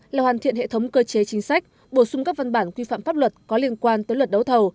là hoàn thiện hệ thống cơ chế chính sách bổ sung các văn bản quy phạm pháp luật có liên quan tới luật đấu thầu